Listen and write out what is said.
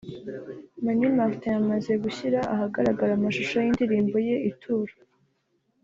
Mani Martin yamaze gushyira ahagaragara amashusho y’indirimbo ye Ituro